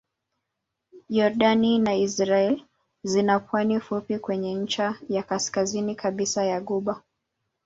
Yordani na Israel zina pwani fupi kwenye ncha ya kaskazini kabisa ya ghuba.